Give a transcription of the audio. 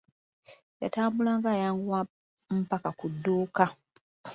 Yatambulanga ayanguwa mpaka ku dduuka.